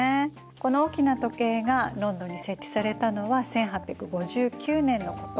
この大きな時計がロンドンに設置されたのは１８５９年のことなのね。